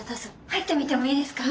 入ってみてもいいですか？